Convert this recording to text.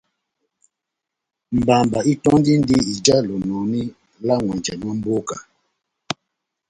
Mbamba itöndindi ijá lonòni lá n'ŋwɛnjɛ mwa mboka.